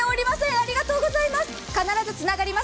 ありがとうございます。